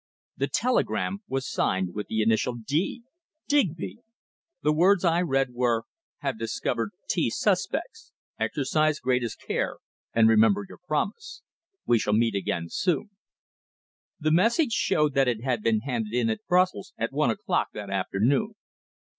The telegram was signed with the initial "D." Digby! The words I read were "Have discovered T suspects. Exercise greatest care, and remember your promise. We shall meet again soon." The message showed that it had been handed in at Brussels at one o'clock that afternoon.